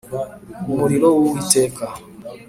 Umuriro wu witeka.